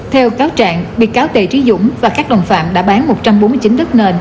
theo cáo trạng bị cáo đề trí dũng và các đồng phạm đã bán một trăm bốn mươi chín đất nền